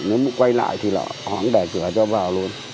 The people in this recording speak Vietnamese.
nếu mà quay lại thì họ cũng để cửa cho vào luôn